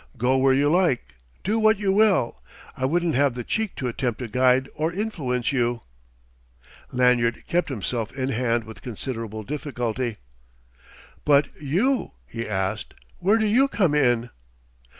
Go where you like, do what you will I wouldn't have the cheek to attempt to guide or influence you." Lanyard kept himself in hand with considerable difficulty. "But you?" he asked. "Where do you come in?"